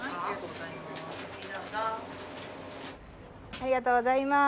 ありがとうございます。